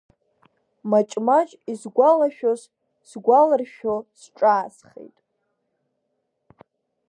Маҷ-маҷ исгәалашәоз сгәаларшәо сҿаасхеит.